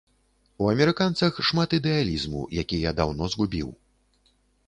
У амерыканцах шмат ідэалізму, які я даўно згубіў.